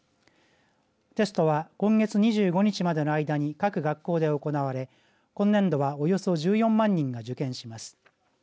テストは今月２５日までの間に各学校で行われ今年度はおよそ１４万人が受験します。